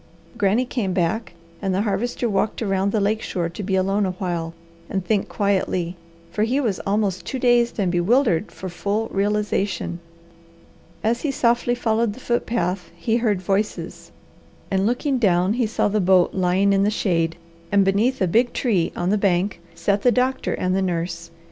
Granny came back, and the Harvester walked around the lake shore to be alone a while and think quietly, for he was almost too dazed and bewildered for full realization. As he softly followed the foot path he heard voices, and looking down, he saw the boat lying in the shade and beneath a big tree on the bank sat the doctor and the nurse.